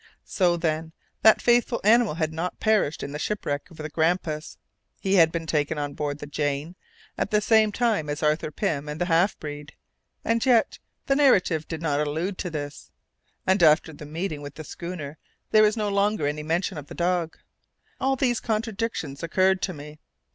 ] So, then, that faithful animal had not perished in the shipwreck of the Grampus. He had been taken on board the Jane at the same time as Arthur Pym and the half breed. And yet the narrative did not allude to this, and after the meeting with the schooner there was no longer any mention of the dog. All these contradictions occurred to me.